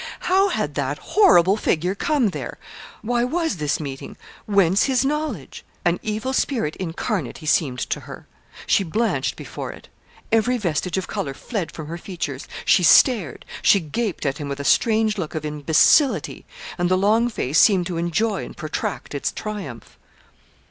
How had that horrible figure come there why was this meeting whence his knowledge? An evil spirit incarnate he seemed to her. She blanched before it every vestige of colour fled from her features she stared she gaped at him with a strange look of imbecility and the long face seemed to enjoy and protract its triumph.